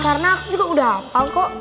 karena aku juga udah hafal kok